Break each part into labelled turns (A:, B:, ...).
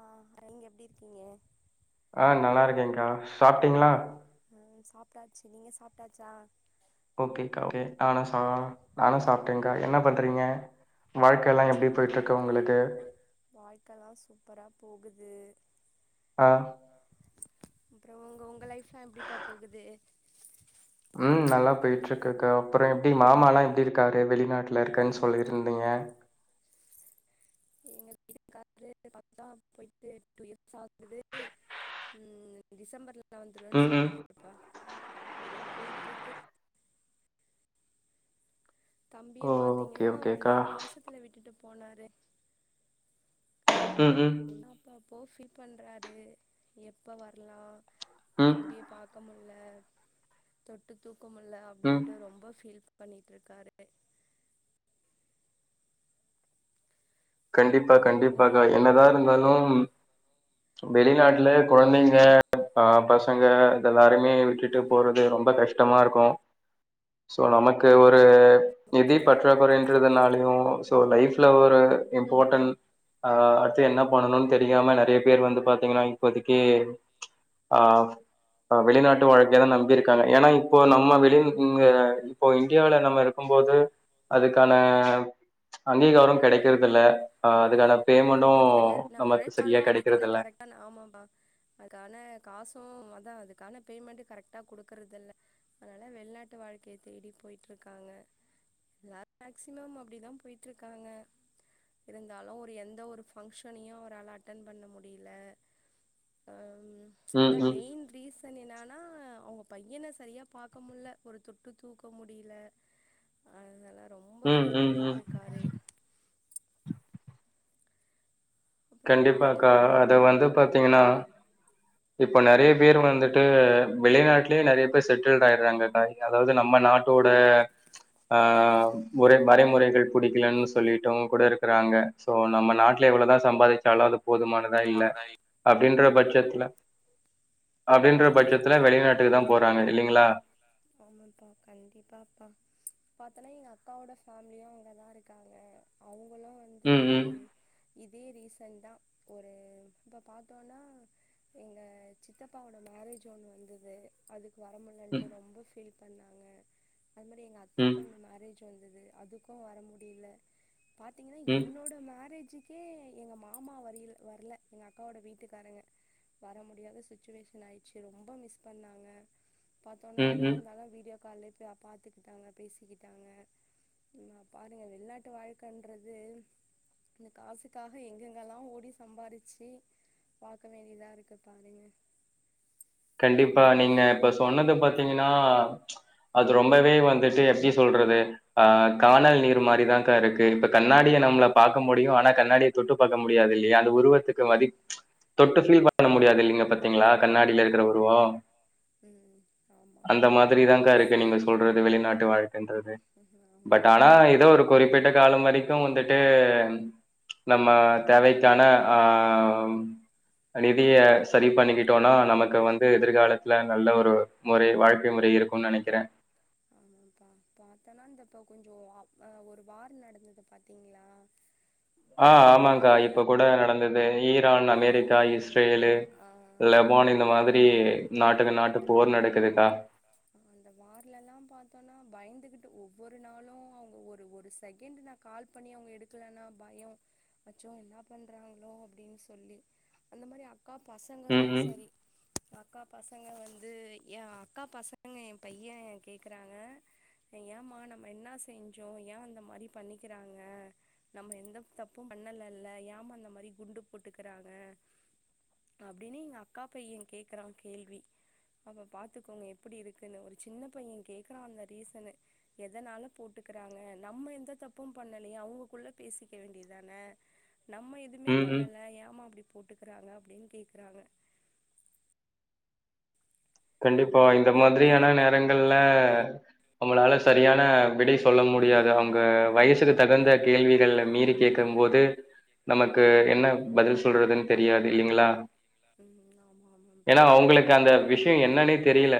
A: ஆ நீங்க எப்டி இர்க்கீங்க
B: ஆ நல்லா இருக்கேன்கா சாப்ட்டீங்ளா
A: ஹா சாப்ட்டாச்சு நீங்க சாப்ட்டாச்சா
B: ஓகேக்கா ஓகே ஆனா சா நானு சாப்ட்டேன்க்கா என்ன பண்றீங்க வாழ்க்கலாம் எப்டி போய்ட்ருக்கு உங்குளுக்கு
A: வாழ்க்கலா சூப்பராக போகுது
B: ஆ
A: அப்றோ உங்க உங்க லைஃப்லா எப்டிப்பா போகுதே
B: ம் நல்லா போய்ட்ருக்குகவ் அப்பற எப்டி மாமலா எப்டி இருக்காரு வெளிநாட்லருக்கன் சொல்லிருந்தீங்க
A: [unintelligible] ம் டிசம்பர்ல வந்துருவேன் சொன்னாருப்பா எதோ போய்ட்ருக்கு தம்பிய பாத்தீங்கினா ஏழு மாசத்துல விட்டுட்டு போனாரு
B: ம் ம்
A: என்னாப்பாப்போ ஃபீல் பண்றாரு எப்ப வர்லா தம்பிய பாத் க்கமுல்ல தொட்டு தூக்கமுல்ல அப்டின்ட்டு ரொம்ப ஃபீல் பண்ணிட்ருக்காரு
B: கண்டிப்பா கண்டிப்பாகா என்னதா இருந்தாலும் வெளிநாட்ல கொழந்தைங்க பா பசங்க இத் எல்லாருமே விட்டுட்டு போறது ரொம்ப கஷ்டமாருக்கு சோ நமக்கு ஒரு நிதி பற்றாக்கொறைன்றதுனாலயு சோ லைஃப்ல ஒரு இம்பாட்டன் ஆ அடுத்து என்ன பண்ணணுன் தெரியாம நறியா பேர் வந்து பாத்தீங்கின்னா இப்போத்க்திக்கி ஆ அ வெளிநாட்டு வாழ்க்கைய தா நம்பிருக்காங்க ஏன்னா இப்போ நம்ம வெளில் இங்க இப்போ இந்தியாவ்ல நம்ம இருக்கும்போது அதுக்கானவ் அங்கீகாரம் கெடைக்கறதில்ல ஆ அதுக்கான பேமெண்ட்டு நமக்கு சரியா கெடைக்கறதில்ல
A: அ நா ஆமாம்ப்பா அதுக்கான காசு அதா அதுக்கான பேமெண்டு கரக்ட்டா கொடுக்குறதில்ல அனால வெள்நாட்டு வாழ்க்கைய தேடி போய்ட்ருக்காங்க எல்லா ஆக்சிமம் அப்டிதா போய்ட்ருக்காங்க இருந்தாலு ஒரு எந் எந்த ஒரு ஃபங்க்ஷனையு ஒரு ஆள் அட்டன் பண்ண முடியல அம் அதா மெய்ன் ரீஸ் தனினான்னா அவ்ங்க பைய்யன சரியா பாக்க முல்ல ஒரு தொட்டு தூக்க முடில அதனால ரொம்ப ஃபீல் பண்ணிட்ருக்காரே
B: கண்டிப்பாக்கா அத வந்து பாத்தீங்கன்னா இப்ப நெறைய பேர் வந்துட்டு வெளிநாட் ட்லே நெறைய பேர் செட்டில்டு ஆய்றாங்கக்கா அதாவது நம்ம நாட் டோட அ ஒரே வரைமுறைகள் புடிக்கலல்னு சொல்லிட்டோ கூட இருக்குறாங்க சோ நம்ம நாட்ல எவ்ளோதா சம்பாரிச்சாலு அது போதுமானதா இல்ல அப்டின்ற பச்சத்துல அப்டின்ற பட்சத்துல வெளிநாட்டுக்கு தா போறாங்க இல்லிங்களா
A: ஆமாப்பா கண்டிப்பா பா பாத்தன்னா எங்க அக்காவோட ஃபேமிலியு அங்கதா இருக்காங்க அவுங்களு வந்து இதே ரீசன்டா ஒரு இப்ப பாத்தோனா எங்க சித்தப்பாவோ மேரேஜ் ஒன்னு வந்தது அதுக்கு வர முலன்ட்டு ரொம்ப ஃபீல் பண்ணாங்க அது மாரி எங்க அத்த பொண்ணு மேரேஜ் வந்தது அதுக்கு வர முடியல பாத்தீங்கன்னா என்னோட மேரேஜுக் கே எங்க மாமா வரில் வரல எங்க அக்காவோட வீட்டுக்காரங்க வர முடியாத சுச்சுவேஷ் ச்சன் ஆயிச்சி ரொம்ப மிஸ் பண்ணாங்க பாத்தோனா எதாந்தாலு வீடியோ கால்லே போய் அ பாத்துக்கிட்டாங்க பேசிக்கிட்டாங்க நா பாருங்க வெளிநாட்டு வாழ்க்கன்றது இந்த காசுக்காக எங்கெங்கல்லா ஓடி சம்பாரிச்சி பாக்க வேண்டிதா இருக்கு பாருங்க
B: கண்டிப்பா நீங்க இப்ப சொன்னது பாத்தீங்கன்னா அது ரொம்பவே வந்துட்டு எப்டி சொல்றது ஆ கானல் நீர் மாரிதாக்கா இருக்கு இப்ப கண்ணாடிய நம்ள பாக்க முடியு ஆனா கண்ணாடிய தொட்டு பாக்க முடியாது இல்லயா அந்த உருவத்துக்கு மதிப் தொட்டு ஃபீல் பண் பண்ண முடியாது இல்லிங்க பத்தீங்களா கண்ணாடியில இ க்கற உருவோ அந்த மாதிரி தாங்கா இருக்கு நீங்க சொல் ட்றோது வெளிநாட்டு வாழ்க்கன்றது
A: ம் ம் ஆமம்ப்பா
B: நம்ம தேவைக்கான ஆ நிதிய சரி பண்ணிக்கிட்டோனா நமக் அங்க வந்து எதிர்காலத்துல நல்ல ஒரு முறை வாழ்க்கை முறை இருக்குன் நெனைக்கிறே
A: ஆமாப்பா பாத்தனா இந்த இப்ப கொஞ்சோ வா அ ஒரு வார் நடந்தது பாத்தீங்களா
B: ஆ ஆமாங்க்கா இப்ப கூட நடந்தது ஈரான் அமெரிக் டேக்கா இஸ்ரேலு லெபான் இந்த மாதிரி நாட்டுக்கு நாட்டு போர் நடக்குதுக்கா
A: அந்த வார்லல்லா பாத்தோன்னா பயந்துகிட்டு ஒவ்வொரு நாளு அவுங்க ஒரு ஒரு செகண்டு நா கால் பண்ணி அவுங்க எடுக்கலன்னா பயோ அச்சோ என்ன பண்றாங்களோ அப்டின் சொல்லி அந்த மாரி அக்கா பசங்களு சரி க்கா பசங்க வந்து ஏ அக்கா பசங்க ஏ பையே கேக்குறாங்க ஏமா நம்ம என்னா செஞ்சோ ஏ அந்த மாரி பண்ணிக்கிறாங்க நம்ம எந்த தப்பு பண்ணலல்ல ஏம்மா அந்த மாரி குண்டு போட்டுக்குறாங்க அப்டின்னு எங்க அக்கா பையே கேக்கறா கேள்வி அப்ப பாத்துக்கோங்க எப்பிடி இருக்குன்னு ஒரு சின்ன பையே கேக்குறா அந்த ரீசனு எதனால போட்டுக்கறாங்க நம்ம எந்த தப்பு பண்ணலையோ அவுங்கக்குள்ள பேசிக்க வேண்டியதான நம்ம எதுமே பண்ணல ஏம்மா அப்டி போட்டுக்கறாங்க அப்டின் கேக்குறாங்க
B: கண்டிப்பா இந்த மாதிரியான நேரங் க்கல்ல நம்மளால சரியான விடை சொல்ல முடியாது அவுங் த வயசுக்கு தகுந்த கேள்விகள்ள மீறி கேக்கம் போது நமக்கு என்ன பதில் சொல்றதுன் தெரியாது இல்லைங்ளா ஏனா அவுங்களுக்கு அந்த விஷய என்னன்னே தெரில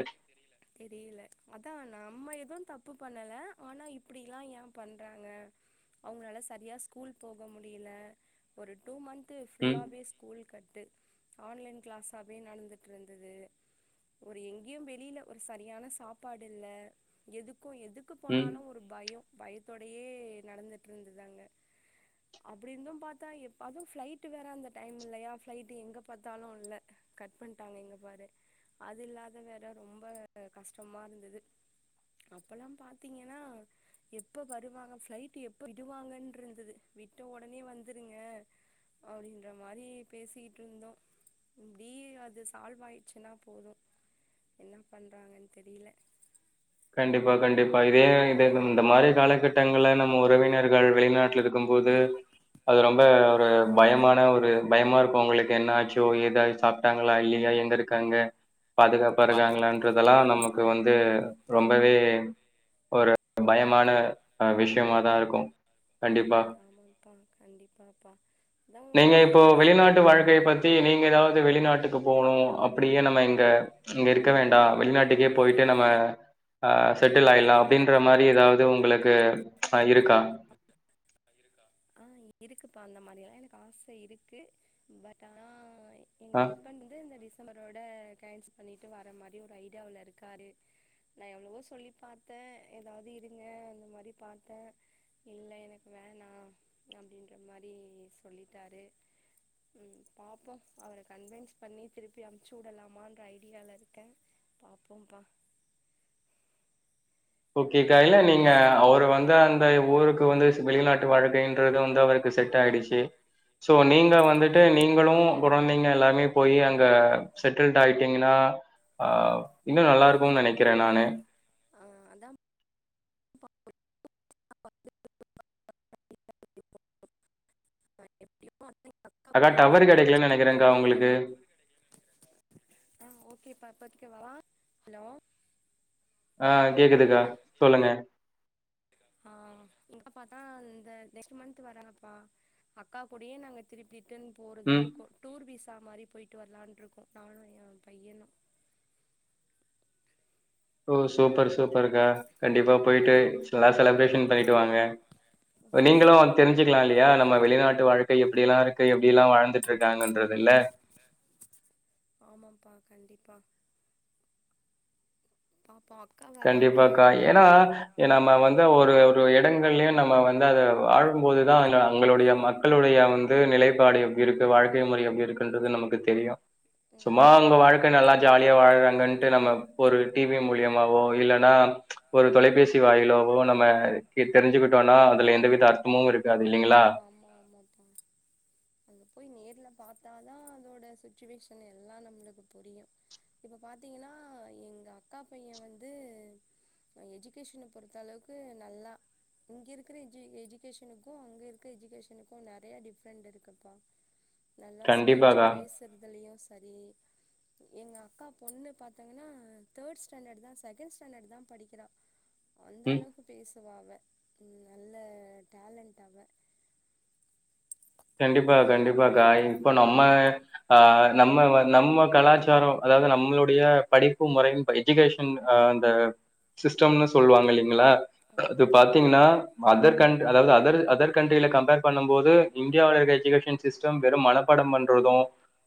A: தெரியில அதா நம்ம எது தப்பு பண்ணல ஆனா இப்டில்லா ஏ பண்றாங்க அவுங்களால சரியா ஸ்கூல் போக முடியில ஒரு டூ மன்த் து ஃபுல்லாவே ஸ்கூல் கட்டு ஆன்லைன் கிளாஸாவே நடந்துட்ருந்துது ஒரு எங்கேயு வெளில ஒரு சரியான சாப்பாடு இல்ல எதுக்கு எதுக் க்கு போனாலு ஒரு பயோ பயத்தோடயே நடந்துட்ருந்துது அங்க அப்டி இருந்து பாத்தா எப் அது ஃப்ளைட் வேற அந்த டைம் இல்லையா ஃப்ளைட் எங்க பாத்தாலு இல்ல கட் பண்ட்டாங்க இங்க பாரு அது இல்லாத வேற ரொம்ப கஷ்டமா இருந்துது அப்பல்லா பாத்தீங்கன்னா எப்ப வருவாங்க ஃப்ளைட்டு எப்ப விடுவாங்கன்ருந்துது விட்ட ஒடனே வந்துருங்க அப்டின்ற மாரி பேசிக்கிட்டுருந்தோ ப்டி அது சால்வாயிட்ச்சுன்னா போது என்ன பண்றாங்கன் தெரில
B: கண்டிப்பா கண்டிப்பா இதே இந்த த இந்த மாரி காலகட்டங்கள்ல நம்ம உறவினர்கள் வெளிநாட்ல இருக்
A: பெளி நாட்டு
B: அது ரொம்ப ஒரு பயமான ஒரு பயமா இருக்கு உங்களுக்கு என்ன ஆச்சோ ஏதாய் சாப் ட்டாங்களா இல்லியா எங்க இருக்காங்க பாதுகாப்பா இருக்காங்களன்றதெல்லா நமக்கு வந்து ரொம்பவே ஒரு பயமான விஷயமாதா இருக்கு
A: ம் ஆமாப்பா கண்டிப்பாப்பா தா ஒரு என் எனக்கு
B: ஆ செட்டில்லாயில்லா அப்டின்ற மாறி ஏதாவ்து உங்களுக்கு ஆ இருக்கா
A: ஆ இருக்குப்பா அந்த மாரியலா எனக்கு ஆச இருக்கு பட்ட ஆனா ஏ ஹஸ் பன்ந்து இந்த டிசம்பரோட கேன்ஸ் பண்ணிட்டு வர மாரி ஒரு ஐடியாவுள்ள இருக்காரு நா எவ்ளவோ சொல்லி பாத்த ஏதாவ்து இருங்க அந்த மாரி பாத்த இல்ல எனக்கு வேணா அப்டின்ற மாரி சொல்லிட்டாரு ம் பாப்போ அவர கன்வென்ஸ் பண்ணி திருப்பி அனுப்ச்சு வுடலாமான்ற ஐடியால இருக்க பாப்போப்பா
B: ஓகேக்கா இல்ல நீங்க அவரு வந்து அந்த ஊருக்கு வந்து வெளிநாட்டு வாழ்கைன்றது வந்து அவருக்கு செட் ஆயிடுச் சு சோ நீங்க வந்துட்டு நீங்களு கொரந்தைங்க எல்லாருமே போயி அங்க செட்டில்ட்டாயிட்டீங்கனா ஆ இன்னு நல்லாருக்கு நெனைக்கிற நானு
A: ஆ அதா [inaudible] [inaudible] [unintelligible]
B: அக்கா டவரு கிடைக்கலன் நெனக்கிறங்க்கா உங்களுக்கு
A: ஆ ஓகேப்ப பத்திக்வா ஹலோ
B: ஆ கேக்குதுக்கா
A: அ கேக்குது ! ! ! ! ! ! ! ! ! ! ஆ இங்க பாத்தா அந்த நெக்ஸ்ட்டு மன்த்து வராங்கப்பா அக்கா கூடயே நாங்க திரிப்பு ட்டன் போறதாருக்கு டூர் விசா மாரி போயிட்டு வர்லான்ருக்கோ நானு எ பையனு
B: ஓ சூப்பர் சூப்பருக்கா கண்டிப்பா போயிட்டு சலா செலப்ரேஷன் பண்ணிட்டு வாங்க நீங்களும் தெரிஞ்சுக்லா இல்லையா நம்ம வெளிநாட்டு வாழ்க்கை எப்டிலா இருக்கு எப்டில்லா வாழ்ந்துட்ருக்காங்கன்றதுல்ல
A: ஆமாம்பா கண்டிப்பா பாப்போ அக்கா வராங்க அதுல
B: எ நம்ம வந்து ஒரு ஒரு எடங்கள்லயு நம்ம வந்து அத வாழும்போதுதா அங்களுடைய மக் களுடைய வந்து நிலைப்பாடு இருக்கு வாழ்க்கை முறை எப்படி இருக்குன்றது நமக்கு தெரியு சும்மா உங்க வாழ்க்க நல்லா ஜாலியா வாழ்றாங்கன்ட்டு நம்ம ஒரு டி வி மூலியமா ஓ இல்லன்னா ஒரு தொலைபேசி வாயிலாவோ நம்ம தெரிஞ்சுக்கிட்டோனா அதுல எந்தவித மு இருக்காது இல்லலைங்களா
A: அம்மா அம்மா டாங் அங்க போய் நேர்ல பாத்தாதா அதோட சுச்சுவேஷன் எல்லா நம்மளுக்கு புரியு இப்ப பாத்தீங்கன்னா எங்க அக்கா பைய வந்து அ எஜுகேஷன பொறுத்த அளவுக்கு நல்லா இங்க இருக்கிற எஜீ எஜுகேஷனுக்கு அங்க இருக்க எஜுகேஷனுக்கு நெறையா டிஃப்ரெண்ட் இருக்கு பா நல்லா ஸ்பீச்சு பேசுறதுலயு சரி எங்க அக்கா பொண்ணு பாத்தீங்கன்னா தேர்ட்டு ஸ்டாண்டர்ட் தா செகண்ட் ஸ்டாண்டர்ட் தா படிக்கிறா ! ! ! ! ! ! ! ! ! ! அந்த அளவுக்கு பேசுவா அவ நல்ல டேலண்ட் அவ
B: கண்டிப்பா கண்டிப்பாக்கா இப்போ நம்ம ஆ நம்ம நம்ம கலாச்சாரோ அதாவது நம்மளுடைய படிப்பு முறை எஜுகேஷன் அந்த சிஸ்டம்னு சொல்வாங்கல்லைங்களா அது பாத்தீங்கன்னா அதர் கன் அதாவது அதரு அதர் கண்ட்ரியில கம்பேர் பண்ணும் போது இந்தியாவில இருக்க எஜுகேஷன் சிஸ்டம் வெறும் மனப்பாடம் பண்றது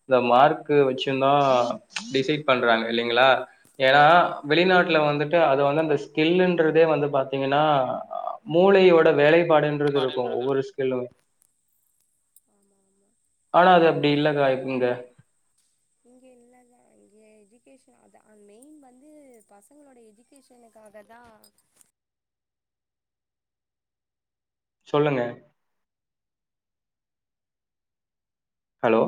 B: இந்த மார்க்கு வச்சுந்தா டிசைட் பண்றாங்க இல்லலைங்களா ஏன்னா வெளிநாட்டுல வந்துட்டு அது வந்து அந்த கில்லுன்றதே வந்து பாத்தீங்கன்னா மூளையோட வேலைப்பாடுன்றது இருக்கு ஒவ்வொரு ஹலோ
A: ஆமா ஆமா
B: ஆனா அது அப்படி இல்லங்க அங்க
A: இங்க இல்லல்ல இங்க எஜுகேஷன் அத அந் மெயின் வந்து பசங்களோட எஜி கேஷனுக்காக தா
B: சொல்லுங்க ஹலோ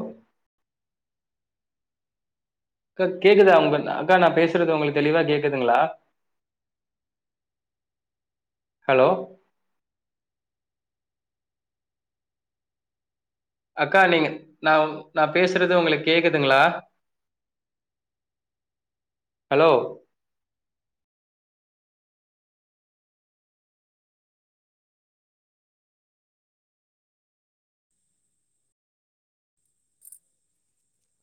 B: கா கேக்குதா உங்க அக்கா நா பேசுறது உங்களுக் தெளிவா கேக்குதுங்களா ஹலோ அக்கா நீங்க நா நா பேசுறது உங்களுக் கேக்குதுங்களா ஹலோ